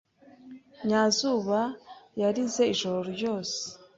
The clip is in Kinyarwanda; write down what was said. Nyazuba yarize ijoro ryose.